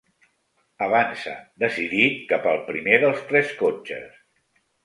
Avança decidit cap al primer dels tres cotxes.